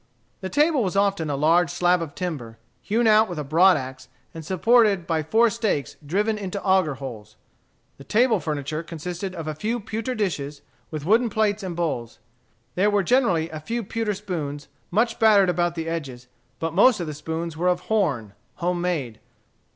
The table was often a large slab of timber, hewn out with a broad axe, and supported by four stakes driven into auger holes. The table furniture consisted of a few pewter dishes, with wooden plates and bowls. There were generally a few pewter spoons, much battered about the edges, but most of the spoons were of horn, homemade.